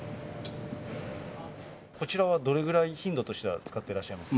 こちらはどれくらい、頻度としては使ってらっしゃいますか？